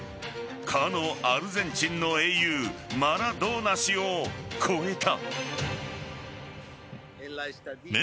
かのアルゼンチンの英雄マラドーナ氏を超えた。